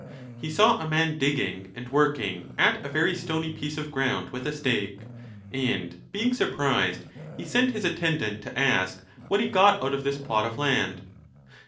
He saw a man digging and working at a very stony piece of ground with a stake, 1 and being surprised he sent his attendant to ask what he got out of this plot of land.